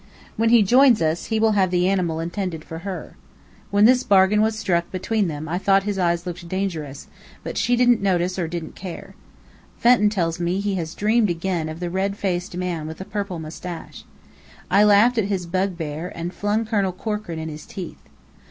When he joins us, he will have the animal intended for her. When this bargain was struck between them I thought his eyes looked dangerous, but she didn't notice or didn't care. Fenton tells me he has dreamed again of the red faced man with the purple moustache. I laughed at his bugbear and flung Colonel Corkran in his teeth.